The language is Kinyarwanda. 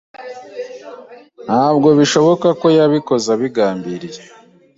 Ntabwo bishoboka ko yabikoze abigambiriye.